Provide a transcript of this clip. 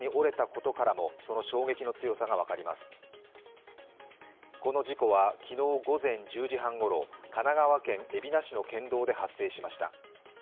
この事故は昨日午前１０時半ごろ神奈川県海老名市の県道で発生しました。